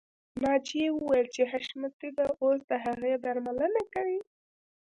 ناجیه وویل چې حشمتي به اوس د هغې درملنه کوي